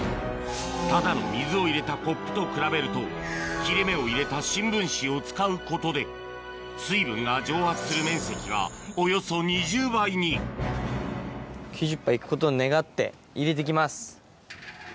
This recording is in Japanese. ただの水を入れたコップと比べると切れ目を入れた新聞紙を使うことで水分が蒸発する面積がおよそ入れていきます。